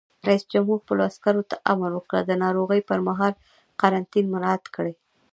رئیس جمهور خپلو عسکرو ته امر وکړ؛ د ناروغۍ پر مهال قرنطین مراعات کړئ!